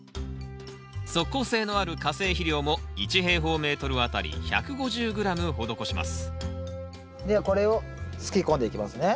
速効性のある化成肥料も１あたり１５０ｇ施しますではこれをすき込んでいきますね